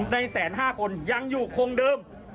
ใน๑๕๐๐คนยังอยู่คงเดิม